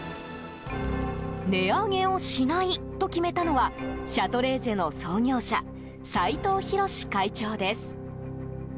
値上げをしないと決めたのはシャトレーゼの創業者齊藤寛会長です。